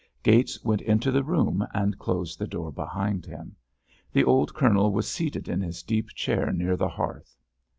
Gates went into the room and closed the door behind him. The old Colonel was seated in his deep chair near the hearth.